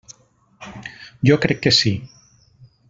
Jo crec que sí.